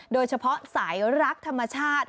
โดยเฉพาะสายรักธรรมชาติ